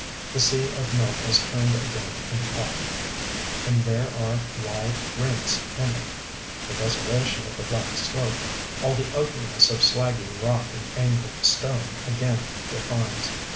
The Sea of Milk has turned again into Cotton, and there are wide rents in it. The desolation of the black slope, all the ugliness of slaggy rock and angled stone, again defines....